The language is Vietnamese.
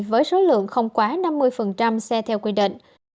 với số lượng không quá năm mươi xe theo quy định